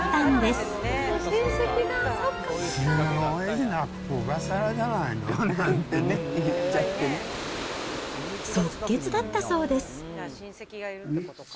すごいな、ここ、即決だったそうです。